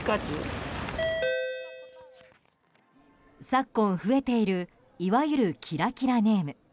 昨今、増えているいわゆるキラキラネーム。